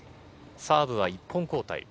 サーブは１本交代。